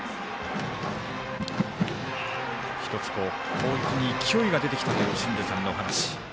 攻撃に勢いが出てきたという清水さんのお話。